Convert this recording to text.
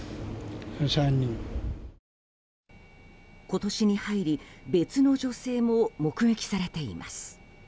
今年に入り別の女性も目撃されています。